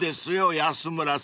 安村さん